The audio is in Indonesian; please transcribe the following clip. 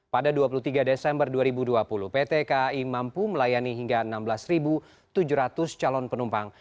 pada dua puluh tiga desember dua ribu dua puluh pt kai mampu melayani hingga enam belas tujuh ratus calon penumpang